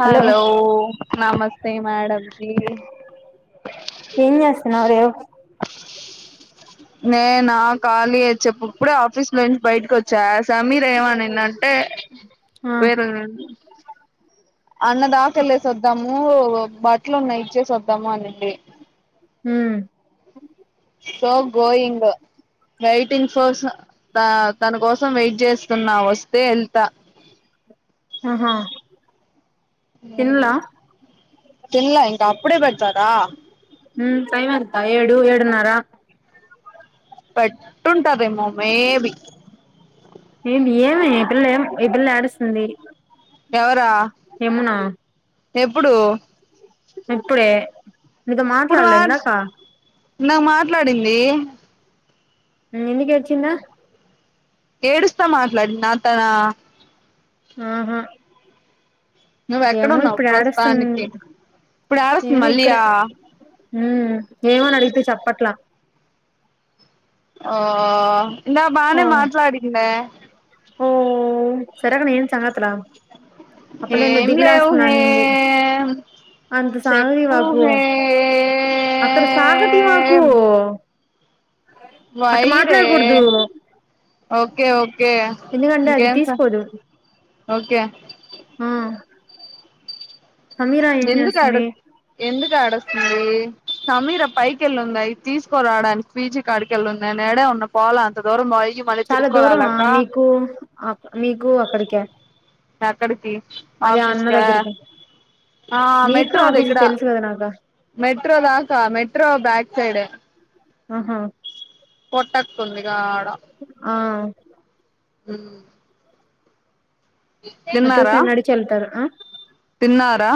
Hello నమస్తే madam ji ఏం చేస్తానరు నేనా ఖాళీ వచ్చేప్పుప్పుడే ఆఫీస్ లోంచి బయటకు వచ్చా ఆ సమీర ఏమనిందంటే ఆ వేర అన్న దాకళ్లేసి వద్దాము బట్టలు ఉన్నా ఇచ్చేసి వద్దాము అనిండి ఉ సో గోయింగ్ వెయిటింగ్ ఫర్స్ తన కోసం వెయిట్ చేస్తున్నా వస్తే వెళ్తా ఆహా తిన్లా తిల్లా ఇంకా అప్పుడే పెతారా ఉ టైమ్ అంతా ఏడు ఏడు నార బట్టుంటారమో మేబి ఏమి ఏ నిద్రల నిద్రల ఏడుస్తూంది ఎవరా ఎప్పుడు ఇప్పుడే నీతో మాట్లాడలే ఇందాక నా మాట్లాడింది నీ ముందుకు అచ్చిదా ఏడుస్తా మాట్లాడి నా తన ఆహా నువ్వు ఏమో ఎక్కడున్నావు ఇప్పుడు ప్రస్తుతానికి ఆడిస్తుంది ఇప్పుడు ఏడుస్తుంది నేను మళ్ళీ ఇక్కడే ఆ ఉమ్ ఏమో నానీ అడిగితే చెప్పట్లా ఓ ఇందాక ఓ బానే మాట్లాడిందే సరేగాని ఏం సంగతలు ఆ అ పిల్ల ఏందో ఏం లేవు దిగులేస్తున్నానింది హేమ్ అంత సాగది చెప్పు వాకు అక్కడ సాగాది వాకు హేమ్ అట్ట వైరే మాట్లాడుకూడదు ఓకే ఓకే ఎందుకంటే అది ఇంకేం సంగ్ ఓకే ఉ ఎందుకు ఆడు ఎందుకు ఏడస్తుంది సమీర పైకిళ్ళుందియి తీసుకోరాడానికి పీజీ కడికి కెళ్ళ ఉన్నా నేడే ఉన్న పోల అంత దూరం వయి చాలా దూరమా మీకు ఆ మీకు అక్కడికి ఎక్కడికి అన్న ఆఫీస్గా దగ్గరికి ఆ మెట్రో ఆ దగ్గరా కేనాకా మెట్రో దాకా మెట్రో బ్యాక్ సైడ్ ఎ ఆహా పోట్టక్తుంది ఇగా ఆడ ఆ ఉ మెట్రో తిన్నారా సైడ్ నడిచి ఎల్తారా తిన్నారా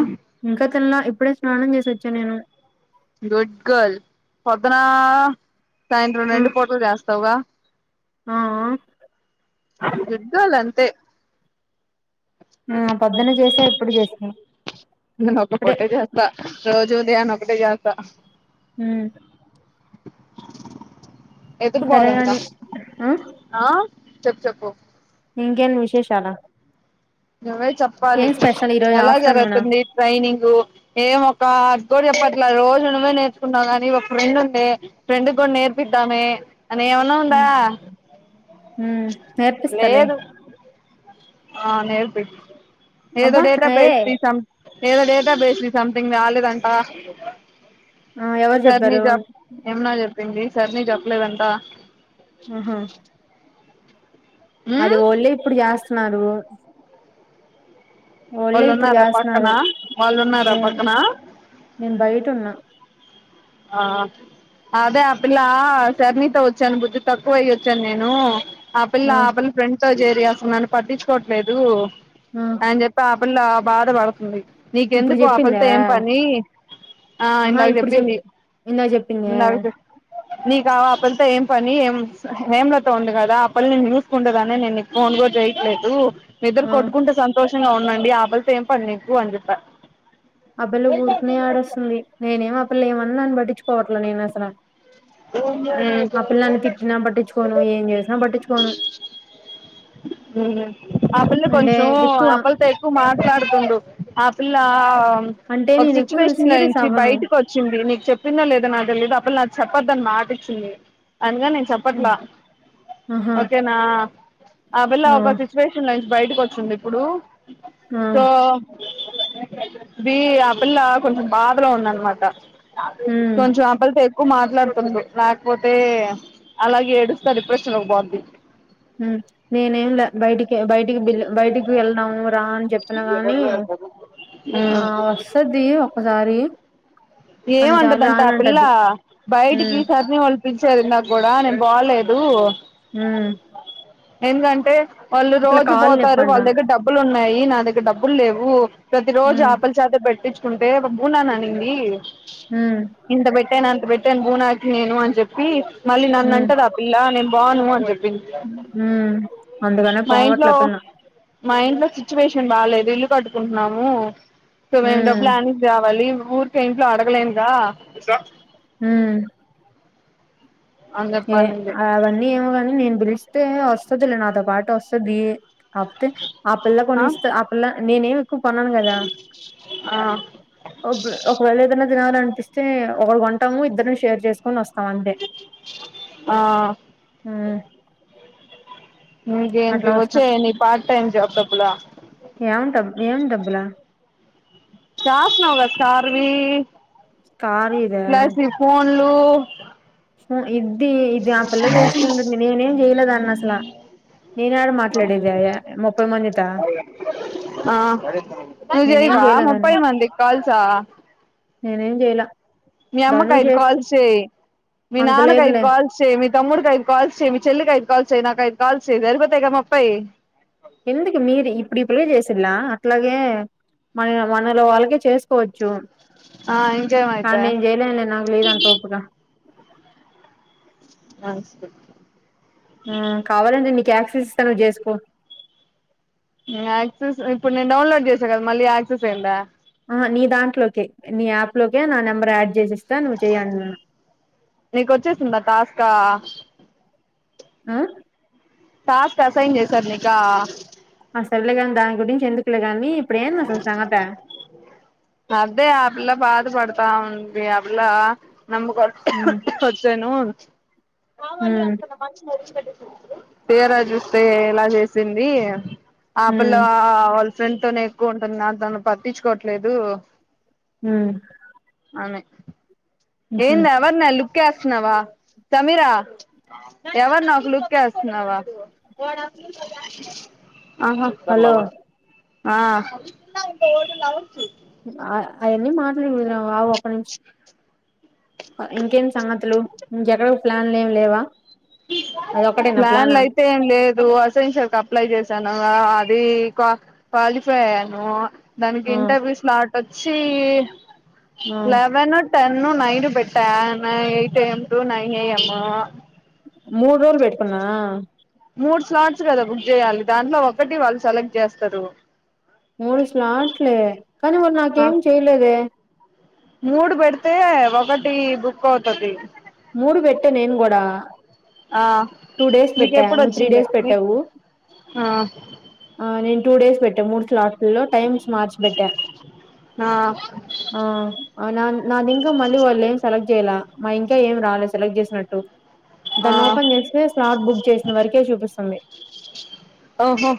ఇంకా తిన్లే ఇప్పుడే స్నానం చేసొచ్చా నేను గుడ్ గర్ల్ పొద్దున సాయంత్రం రెండు పూటలు చేస్తావుగా ఆ ఆ గుడ్ గర్ల్ అంతే ఆ పొద్దున్న చేసా ఇప్పుడు చేసా నేను ఒక ఇప్పుడే పొట్టే చేస్తా రోజు ఉదయాన ఒకటే చేస్తా హూ ఎత్తుకు సరే పోదాం దా కాని చెప్పు చెప్పు ఇంకా ఏంటీ విశేషాలు నువ్వే చెప్పాలి స్పెషల్ ఈ రోజు ఎలా ఆఫ్టర్నూనా జరుగుతుంది ట్రైనింగు ఏం ఒక అది కూడా చెప్పట్లా రోజు నువ్వే నేర్చుకున్నావు కాని ఒక ఫ్రెండ్ ఉందే ఫ్రెండ్కు కూడా నేర్పద్దమే అని ఏమన్నా ఉందా నేర్పిస్తాలే లేదు ఆ నేర్పి ఏదో అబ్బా డేటా ఏ బేస్ ది సం ఏదో డేటా బేస్ ని సంథింగ్ రాలేదంటా ఆ ఎవరు సర్ ని చెప్పారు జాబ్ యమునా చెప్పింది సారి నిక్ చెప్పలేదంతా ఆహా అది ఉమ్ ఒళ్ళే ఇప్పుడు చేస్తున్నారు ఒళ్ళే వాళ్ళు ఇప్పుడు ఉన్నారా పక్కన చేస్తున్నారు వాళ్ళు ఉన్నారా లే పక్కన నేను బయట ఉన్నా ఆ ఆ అదే ఆ పిల్ల సర్ణీతో వచ్చాను బుద్ధి తక్కువ అయ్యొచ్చాను నేను ఆ పిల్ల ఆ పిల్ల ఫ్రెండ్ తో చేరి అసలు నన్ను పట్టించుకోవట్లేదు ఆ అని చెప్ ఆ పిల్ల బాధ పడుతుంది. ఇప్పుడు నీకెందుకు ఆ పిల్ల చెప్పిందా తో ఏం పన, ఆ ఆహా ఇందాక ఇప్పుడు చెప్ చెప్పింది. ఇందాక చెప్ నీకు ఆ పిల్ల తో ఏం పని, ఏం హేమ్లతో ఉంది కదా, ఆ పిల్ల నిన్ను కుండగానే నేను నీకు ఫోన్ గుడ చేయట్లేదు. మీరు ఆ ఇద్దరు కొట్టుకుంట సంతోషంగా ఉండండి, ఆ పిల్ల తో ఏం పని నీకు అని చెప్పా. అ బిల్ల ఊరుకనే ఏడుస్తుంది, నేనేమో ఆ పిల్ల ఏమన్న పట్టించుకోవట్లే నేను అసల ఉమ్ ఆ పిల్లని తిట్టినా పట్టించుకోను, ఏం చేసినా పట్టించుకోను. ఆ పిల్ల అంటే కొంచెం ఎక్కువ అబ్బాయ్ల్తో ఎక్ మాట్లాడుతుండు, ఆ పిల్ల అంటే ఒక నేను ఎక్కువ సిచ్యువేషన్ లో సీరియస్ నుంచి అవ్వను బయటకు వచ్ చింది నీకు చెప్పిందా లేదో నా తెలియదు, ఆ పిల్ల చెప్పొద్దని మాట ఇచ్చింది, అనగా నేను చెప్పట్లా ఆహా ఓకేనా, ఆ పిల్ల ఒక ఫి సిచువేషన్ లో నుంచి బయటకు వచ్చింది ఇప్పుడు, ఆ సో బీ ఆ పిల్ల కొంచం బాధలో ఉందనమాట. ఉమ్ కొంచం అబ్బాయిలతో ఎక్కువ మాట్ మాట్లాడుతుంది, లేకపోతే అలాగే ఏడుస్తా డిప్రెషన్ లోకి పోద్ది. ఉమ్ నేనేంల బయటికె బయటికి బిల్ బయటికి గుడ ఎళ్ళాను రా అని చెప్పిన గాని ఆ వస్తది ఒకసారి ఏమంటదంట ఆ పిల్ల బయటికి ఉమ్ ఈ సారిని వాళ్ పించేది నాకు గుడా నేను బోలేదు. ఉమ్ ఎందుకంటే వాళ్ళు ఇట్లా రోజు కాళ్ళు పోతారు నొప్పంట వాళ్ళ దగ్గర డబ్ బులు ఉన్నాయి నా దగ్గర డబ్బులు లేవు, ప్రతి రోజు ఉమ్ ఆ పిల్ చద పెట్టించుకుంటే నువ్వు నా నింది ఉమ్ ఇంత పెట్టాను అంత పెట్టాను, నువ్ నాకు నేను అని చెప్పి, మళ్ళీ నన్ను ఉమ్ అంటదా ఆ పిల్ల నేను బాను అని చెప్ ఉమ్ అందుకనే మా పోవట్ల ఇంట్లో ఆ పిల్ల మా ఇంట్లో సిచ్యువేషన్ బాలేదు ఇల్లు కట్టుకుంటున్నాము, సో మేము డబ్బులు ఉమ్ యాడ నుంచ్ రావాలి ఊరికే ఇంట్లో అడగలేనుగా ఉమ్ అని ఏ చెప్పనింది అవన్నీ ఏమో గని, నేను పిలిస్తే వస్తదిలే నాతో పాటు వస్తది. కాపోతే ఆ పల్ల కొని ఇస్తే ఆ పల్ల నేనేమి ఎక్కువ కొనను కదా. ఆ ఒక్ ఒకవేళ ఏదన్న తినాలనిపిస్తే ఒకల్ కొంటము, ఇద్దరం షేర్ చేసుకొని వస్తాం అంతే. ఆ ఉమ్ ఇకేంటి అట్లా వస్తాం వచ్చే నీ పార్ట్ టైమ్ జాబ్ డబ్బులా? ఏవంటాం ఏవం డబ్బులా చాస్ నవ్ సారీ కార్యాద ఫోన్లు ఇది ఇది ఆ పిల్ల చేసుకుంటుంది, నేనేం చేయలేదాన్నసల ఆ నువ్ నేనేం జైవా చేయలేదాన్ని ముప్పై మందికి కాల్సా నేనేం జేయలా. మీ అమ్మకు ఐదు కాల్సే మీ అంత నాన్నకు ఐదు లేదులే కాల్ చేయ్ మీ తమ్ముడికి ఐదు కాల్స్ చేయ్ మీ చెల్లికి అదు కాల్ చేయ్ నాకు అయిదు కాల్ చేయ్ సరిపోతాయి కదా ముప్పై ఎందుకు మీరి ఇప్పుడు ఇప్పుడే చేసింలా అట్లాగే మన మనలో వాళ్ళకే చేసుకోవచ్చు ఆ కానీ ఇంకేమైతాయి నేను చేయలేను లే లేదంత ఓపక నమస్తే కావాలండి నీకు యాక్సెస్ ఇస్తా నువ్వు చేసుకో యాక్సెస్ ఇప్పుడు నేను డౌన్లోడ్ చేసా కదా మళ్ళీ యాక్సెస్ ఏందా ఆ నీ దాంట్లోకే నీ యాప్ లోకే నా నెంబర్ యాడ్ చేసిస్తా నువ్వు చేయండ్నా నీకొచ్చేసిందా టాస్కా హా టాస్క్ అసైన్ చేశారు నీకా ఆ సర్లే గాని దాని గురించి ఎందుకులేగాని ఇప్పుడ ఏంది అసలా సంగత అదే అ పిల్ల బాధపడతాంది అ పిల్ల ఉమ్ నమ్ముకి రేను హ ఉమ్ వాళ్ళు తీరా చూస్తే ఇలా చేసింది ఆపిల్ల ఉమ్ అ వాళ్ళ ఫ్రెండ్ తోనే ఎక్కువ ఉంటుంది నాతోనా పట్టించు కోవట్లేదు ఊ అమె ఉహు ఏంద ఎవరినా లుక్ వేస్తున్నావా సమీరా ఎవరిని ఒక లుక్ ఎస్తున్నావు హ హ ఇద్దరు హలో లవర్స్ హ ఓల్డ్ లవర్స్ అ అయన్నీ మాట్లాడకూడదు రా బాబు ఒక్క నిమిషం ఇంకేమి సంగతులు ఇంకా ఎక్కడ ప్లాన్లు ఏం లేవా అది ఒక్కటేనా ప్లాన్ ప్లాన్లు అయితే ఏమి లేదు అసెన్షయల్ క అప్లై చేశాను అది కా క్వాలిఫై అయ్యాను దానికి ఆ ఇంటర్వ్యూస్ లాట్ వచ్చి ఆ లెవెన్ టెన్ను నైను పెట్టా night AM to nine AM మూడు రోజలు పెట్టుకున్నా మూడు స్లాట్స్ కదా బుక్ చేయాలి దాంట్లో ఒకటి వాళ్ళు సెలెక్ట్ చేస్తారు మూడుస్లాట్లే కానీ వాళ్ళు నాకేం చెయలేదే మూడు పెడితే ఒకటి బుక్ అవుతది మూడు పెట్ట నేను కూడా ఆ టూ డేస్ పెట్టా మీకెప్పుడు నువ్వు త్రీ వచ్చింది డేస్ మీ పెట్టావు ఆ ఆ నేను టూ డేస్ పెట్టా మూడు స్లాట్ల లొ టైమ్స్ మార్చి పెట్టా ఆ ఆ నా నాదిఇంకా మళ్ళి వాళ్ళు ఏమి సెలెక్ట్ చేయాల కా ఏం రాలేదు సెలెక్ట్ చేసినట్టు ఆ దాన్ని ఓపెన్ చేస్తే స్లాట్ బుక్ చేసిన వరకే చూపిస్తుంది ఓహో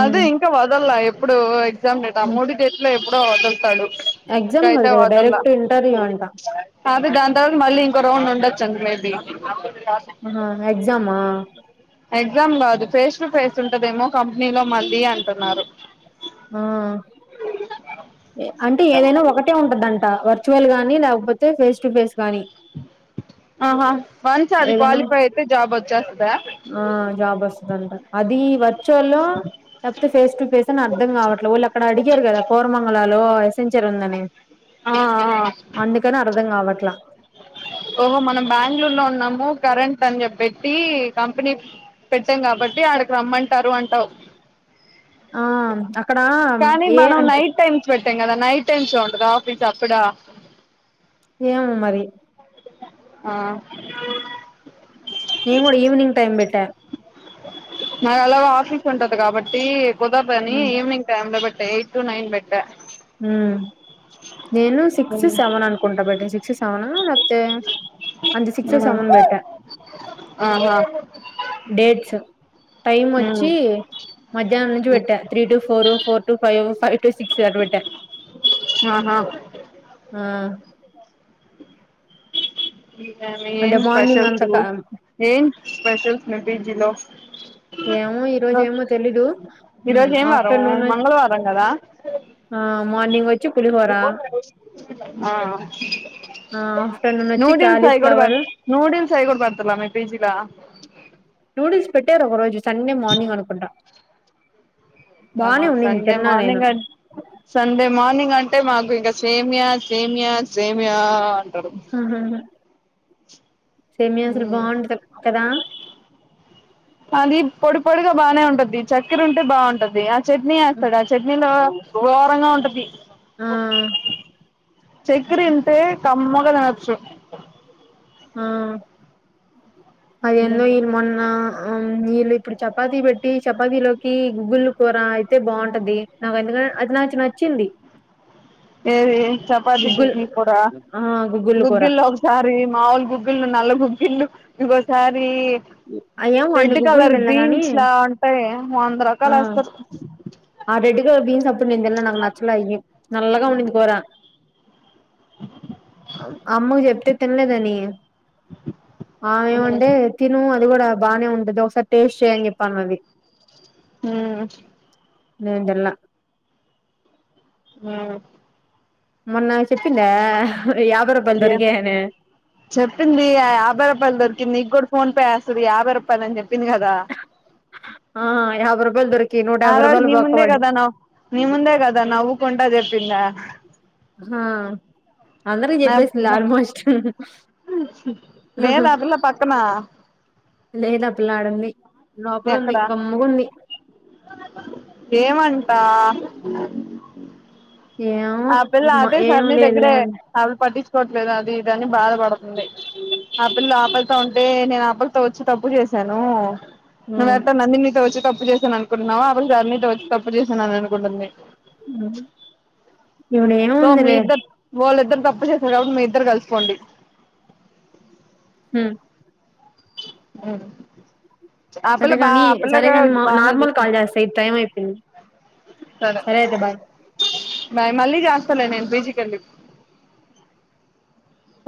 అదే ఉమ్. ఇంకా వదల్లా ఎప్పుడు ఎగ్జామ్ డేట్ హ మూడీ డేట్ లొ ఎప్పుడో వదులుతాడు ఎగ్జామ్ గాదు ఇప్పుడైతే గదా వదల్లా డైరెక్ట్ ఇంటర్వ్యూ అంటా అదే దాని తర్వాత మళ్ళీ ఇంకో రౌండ్ ఉండొచ్చు అంట మేబీ హ హ ఎగ్జామా ఎగ్జామ్ కాదు ఫేస్ టు ఫేస్ ఉంటదేమో కంపెనీలో మళ్ళీ అంటున్నారు ఆ అంటే ఏదైనా ఒకటే ఉంటదంట వర్చువల్ గానీ లేకపోతే ఫేస్ టు ఫేస్ గాని ఆహా వన్స్ అది ఏదైనా క్వాలిఫై అయితే జాబ్ వచ్చేస్తుదా ఆ జాబ్ వస్తది అంట అది వర్చువల్ లో కాకపోతే ఫేస్ టు ఫేస్ అని అర్థం కావట్లే వాళ్ళు అక్కడ అడిగారు కదా కోరమంగళలో ఎసెంచర్ ఉందని ఆ ఆ అందుకని అర్థం కావట్ల ఓహో మనం బెంగళూరు లో ఉన్నాము కరెంట్ అని చెప్పట్టి కంపెనీ పెట్టాం కాబట్టి ఆడికి రమ్మంటారు అంటావు ఆ అ కానీ మనం నైట్ టైమ్స్ పెట్టాం కదా నైట్ టైమ్స్ లో ఉంటందా ఆఫీస్ అప్పుడ ఏమో మరి ఆ నేను కూడా ఈవినింగ్ టైమ్ పెట్టా నాకు ఎలాగొ ఆఫీస్ ఉంటది కాబట్టి కుదరదని ఉమ్, ఈవినింగ్ టైం లో పెట్ట ఎయిట్ టు నైన్ పెట్టా ఊ నేను సిక్స్ సెవెన్ అనుకుంటా బట్ సిక్స్ సెవెన్ లేకపోతే అంటె సిక్స్ సెవన్ పెట్టా ఆహా డేట్స్ టైం వచ్చి మధ్యాహ్నం నుంచి పెట్టా three to four four to five five to six అట్ పెట్ట ఆహా ఆ ఇదమి ఏం అంటే మార్నింగ్ అంత స్పెషల్సు ఏం స్పెషల్స్ మీ పీజీలో ఏమో ఈ రోజు ఏమో తెలీదు ఉహు ఈరోజు ఏం వారం ఆఫ్టర్నూన్ మంగళవారం కదా ఆ మార్నింగ్ వచ్ ఆ ఆ ఆఫ్టర్నూన్ వచ్చి నూడిల్స్ అయి కూడా పె కాలీఫ్లవర్ నూడిల్స్ అవి కూడా పెడుతున్నారా మీ పీజీ ల నూడిల్స్ పెట్టారు ఒకరోజు సండే మార్నింగ్ అనుకుంటా బానే మాకు ఉన్నింది సండే తిన్నా నేను మార్నింగ్ అ సండే మార్నింగ్ అంటే మాకు ఇంకా సేమియా సేమియా సేమియా అంటడు ఆహాహ సేమియా అసలు బాగుండదు కదా అది పొడి పొడిగా బాగానే ఉంటది చక్కెర ఉంటే బాగుంటది ఆ చట్నీ వేస్తాడు ఆ చట్నీలో గోరంగా ఉంటది ఆ చక్కర ఇంటే కమ్మగ తినొచ్చు ఆ అది ఏందో ఈలు మొన ఆ వీళ్ళు ఇప్పుడు చపాతి పెట్టి చపాతి లోకి గుగ్గుల్లా కూర అయితే బాగుంటది నాకు ఎందుకం అది నాకు నచ్చింది ఏది చపాతి గుగ్గుల్ గుగ్గిల్ కూర ఆ గుగ్గులు కూర గుగ్గిలో సారి మాములు గుగ్గిళ్ళు నల్ల గుగ్గిళ్ళు ఇంగొ సారి అయ్యేమో అన్ని రెడ్ గుగ్గులు కలర్ తినలే గాని బీన్స్ లా ఉంటాయి వంద ఆ రకాలు ఎస్తారూ ఆ రెడ్ కలర్ బీన్స్ అప్పుడు నేను తిన్న నాకు నచ్చలా అయ్యి నల్లగా ఉన్నింది కూర అమ్మకు చెప్తే తినలేదని ఆమె ఏమంటే తిను అది కూడా బానే ఉంటది ఒకసారి టేస్ట్ చెయ్ అని చెప్ అన్నది ఊ నేన్ తిన్లా ఉ మొన్న చెప్పిందా యాబై రూపాయల ఏ దొరికాయాని చెప్పింది యాభై రూపాయలు దొరికింది నీకు కూడా ఫోన్ పే యేస్తాది యాభై రూపాయలు అని చెప్పింది కదా ఆ యాబై రూపాయలు దొరికి నూట ఆ యాభై రోజు రూపాయలు నీ బొక్క ముందే పడ్డాయి కదా నవ్ నీ ముందే కదా నవ్వుకుంటా చెప్పిందా హా అందరికి నా చెప్పేసిందిలే ఆల్మోస్ట్ లేదు ఆ పిల్ల పక్కన లేదాపిల్ల ఆడుంది లోపల ఉంది ఎక్కడ గమ్మగుంది ఏమంటా ఏమో ఆ పిల్ల అదే సార్ ఏం మీ లేదులే దగ్గరే అ ఆసలు పట్టించుకోవట్లేదు అది ఇది అని బాధపడుతుంది ఆ పిల్ల ఆకలితో ఉంటే నేను ఆ పిల్ల తోచి తప్పుచేసాను చేశాను నువ్వ ఎట్ట నందిని తో వచ్చి తప్పు చేశాను అనుకుంటున్నావో ఆ పిల్ల ధరణీ తో వచ్చి తప్పు చేశాను అనుకుంటుంది ఉ సో మీ ఇద్దరు వాళ్ళిద్దరు తప్పు చేశారు కాబట్టి మీ ఇద్దరు కలిసిపోండి హు ఉ సరే గాని సరే గాని మా బానే నార్మల్ కాల్ చూసుకుంది చేస్తా ఇది టైం అయిపోయింది సరే అయితే బాయ్ బాయ్ మళ్లీ చేస్తాలే నేను పీజీకెళ్ళి